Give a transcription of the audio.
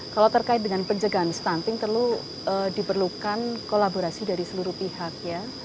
kalau terkait dengan pencegahan stunting perlu diperlukan kolaborasi dari seluruh pihak ya